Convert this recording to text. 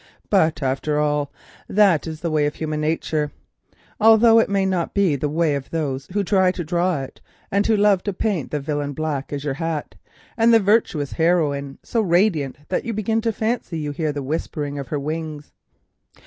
But after all, that is the way of human nature, although it may not be the way of those who try to draw it and who love to paint the villain black as the Evil One and the virtuous heroine so radiant that we begin to fancy we can hear the whispering of her wings.